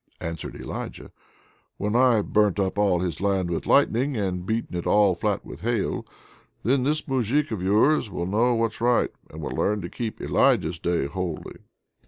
answered Elijah; "when I've burnt up all his land with lightning, and beaten it all flat with hail, then this Moujik of yours will know what's right, and will learn to keep Elijah's day holy."